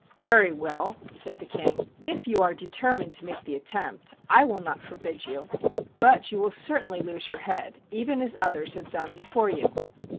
"Very well," said the King. "If you are determined to make the attempt, I will not forbid you, but you will certainly lose your head, even as others have done before you."